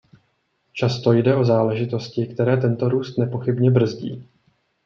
Často jde o záležitosti, které tento růst nepochybně brzdí.